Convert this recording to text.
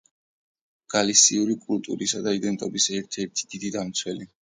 გალისიური კულტურის და იდენტობის ერთ-ერთი დიდი დამცველი.